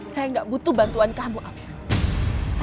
saya gak butuh bantuan kamu afif